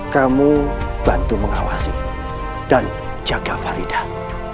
kamu bantu mengawasi dan jaga faridan